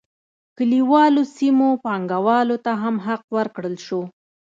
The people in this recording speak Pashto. کلیوالو سیمو پانګوالو ته هم حق ورکړل شو.